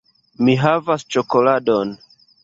Mi havas ĉokoladon!